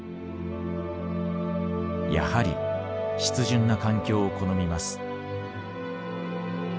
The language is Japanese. やはり湿潤な環境を好みます。